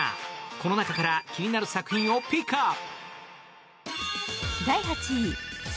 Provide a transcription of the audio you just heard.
この中から気になる作品をピックアップ！